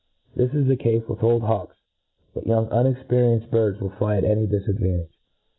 This is the cafe with old hawks ; but young unexperienced Urds wiir fly at any difadvantage.